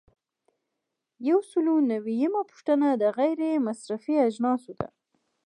یو سل او نوي یمه پوښتنه د غیر مصرفي اجناسو ده.